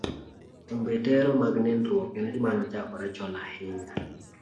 Timbe tero mag nindruok en gima nochakore chon ahinya.